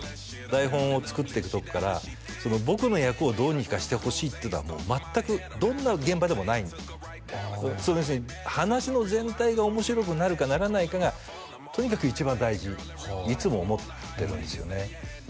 台本を作ってくとこから僕の役をどうにかしてほしいっていうのはもう全くどんな現場でもない要するに話の全体が面白くなるかならないかがとにかく一番大事いつも思ってるんですよね